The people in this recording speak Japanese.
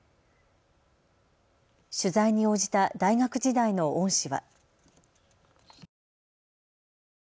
取材に応じた大学時代の恩師は。